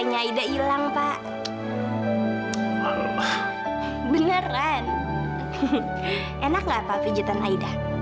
ya enak sekali